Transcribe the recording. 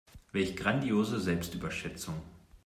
Welch grandiose Selbstüberschätzung.